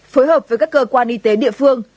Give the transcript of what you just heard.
phối hợp với các cơ quan y tế địa phương